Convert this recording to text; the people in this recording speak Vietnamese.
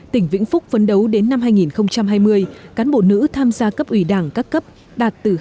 tỉnh vĩnh phúc phấn đấu đến năm hai nghìn hai mươi cán bộ nữ tham gia cấp ủy đảng các cấp đạt từ hai mươi năm trở lên